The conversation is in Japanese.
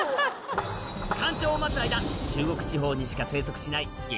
干潮を待つ間中国地方にしか生息しない激